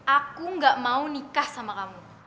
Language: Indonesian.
aku gak mau nikah sama kamu